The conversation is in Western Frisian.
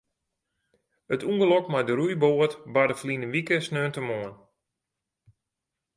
It ûngelok mei de roeiboat barde ferline wike sneontemoarn.